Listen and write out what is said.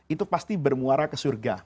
itu pasti bermuara ke surga